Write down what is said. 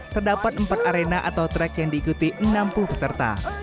terdapat empat arena atau track yang diikuti enam puluh peserta